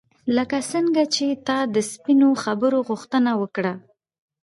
لکه څنګه چې تا د سپینو خبرو غوښتنه وکړه.